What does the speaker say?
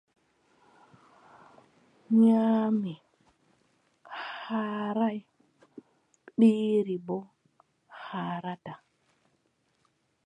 Nyaamii haaraay, ɓiiri boo haarataa.